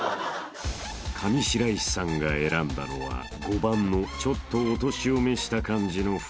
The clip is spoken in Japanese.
［上白石さんが選んだのは５番のちょっとお年を召した感じの風磨］